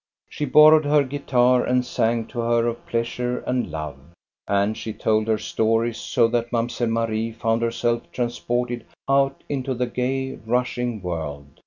She borrowed her guitar and sang to her of pleasure and love. And she told her stories, so that Mamselle Marie found herself transported out into the gay, rushing world.